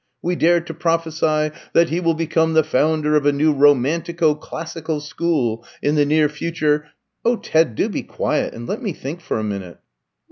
We dare to prophesy that he will become the founder of a new romantico classical school in the near future " "Oh, Ted, do be quiet, and let me think for a minute."